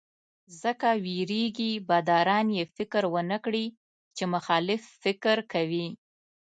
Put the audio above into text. ځکه وېرېږي باداران یې فکر ونکړي چې مخالف فکر کوي.